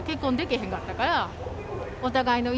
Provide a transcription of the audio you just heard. へんかったから。